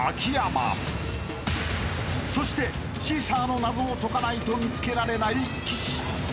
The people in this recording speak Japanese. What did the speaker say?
［そしてシーサーの謎を解かないと見つけられない岸］